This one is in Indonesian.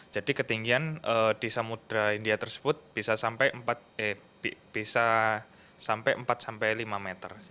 jadi ketinggian di samudera india tersebut bisa sampai empat sampai lima meter